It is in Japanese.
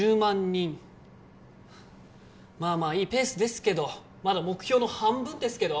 人まあまあいいペースですけどまだ目標の半分ですけど？